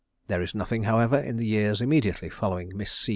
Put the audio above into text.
There is nothing, however, in the years immediately following Miss C.